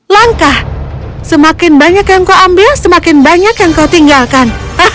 langkah semakin banyak yang kau ambil semakin banyak yang kau tinggalkan